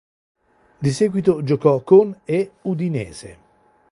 Di seguito giocò con e Udinese.